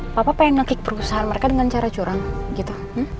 papa pengen nakik perusahaan mereka dengan cara curang gitu